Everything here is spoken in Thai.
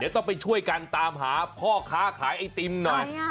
ต้องไปช่วยกันตามหาพ่อค้าขายไอติมหน่อย